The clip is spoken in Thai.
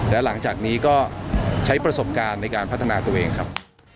และหลังจากนี้ก็ใช้ประสบการณ์ในการพัฒนาตัวเองครับ